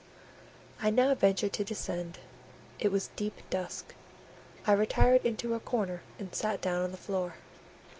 I now ventured to descend: it was deep dusk; I retired into a corner and sat down on the floor.